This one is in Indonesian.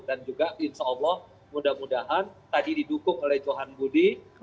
dan juga insya allah mudah mudahan tadi didukung oleh johan budi